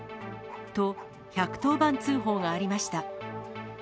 と１１０番通報がありました。